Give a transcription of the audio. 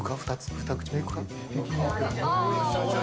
２口目、いくか？